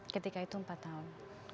ketika itu empat tahun